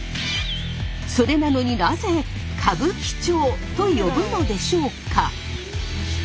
それなのになぜ歌舞伎町と呼ぶのでしょうか？